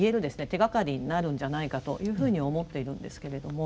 手がかりになるんじゃないかというふうに思っているんですけれども。